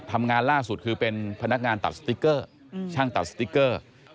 ทำงานล่าสุดคือเป็นพนักงานตัดสติ๊กเกอร์ช่างตัดสติ๊กเกอร์